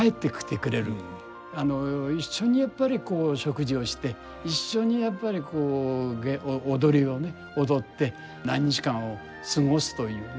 一緒にやっぱり食事をして一緒にやっぱり踊りをね踊って何日間を過ごすというね。